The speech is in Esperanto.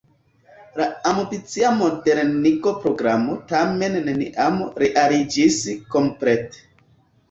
La ambicia modernigo-programo tamen neniam realiĝis komplete.